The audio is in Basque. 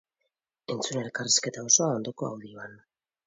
Entzun elkarrizketa osoa ondoko audioan!